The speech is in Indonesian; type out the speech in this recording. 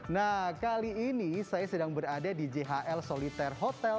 nah kali ini saya sedang berada di jhl soliter hotel